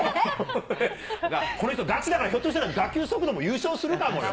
この人、ガチだからひょっとしたら、打球速度も優勝するかもよ。